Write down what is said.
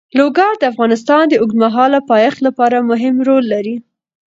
لوگر د افغانستان د اوږدمهاله پایښت لپاره مهم رول لري.